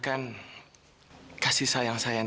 makasih juga sayang